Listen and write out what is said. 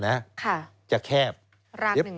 สวัสดีครับคุณผู้ชมค่ะต้อนรับเข้าที่วิทยาลัยศาสตร์